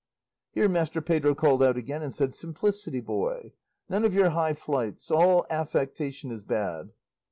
Here Master Pedro called out again and said, "Simplicity, boy! None of your high flights; all affectation is bad."